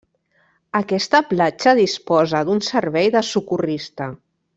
Aquesta platja disposa d'un servei de socorrista.